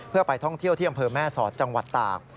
เพื่อไปท่องเที่ยวที่อำเภอแม่สอดจังหวัดตาก